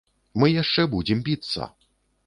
Мы яшчэ будзем біцца.